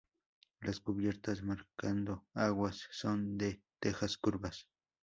Las cubiertas, marcando aguas, son de tejas curvas.